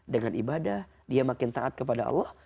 dengan ibadah dia makin taat kepada allah